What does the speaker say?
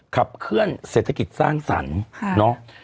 ขับเคลื่อนเศรษฐกิจสร้างสรรค์เนาะ